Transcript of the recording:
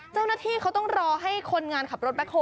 เจ้าหน้าที่เขาต้องรอให้คนงานขับรถแบ็คโฮ